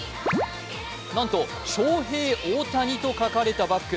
なんと、ショウヘイオオタニと書かれたバッグ。